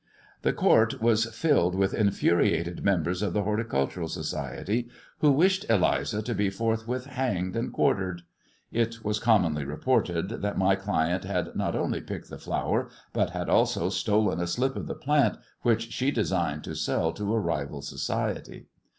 The court was filled with infuriated members of the Horticultural Society, who wished Eliza to be forthwith hanged and quartered. It was commonly reported that my client had not only picked the flower but had also stolen a slip of the plant, which she designed to sell to a rival society.